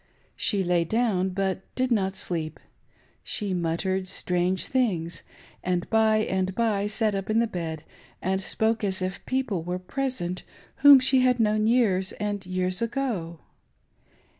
She lay down, but did not sleep. She muttered strange things, and by and by sat up in the bed and spoke as if people were present whom she had known years and years ago.